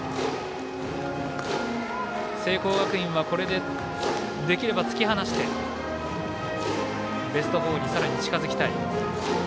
聖光学院は、これでできれば突き放してベスト４にさらに近づきたい。